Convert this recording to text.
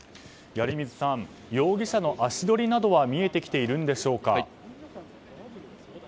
鑓水さん容疑者の足取りなどは見えてきているんでしょうか？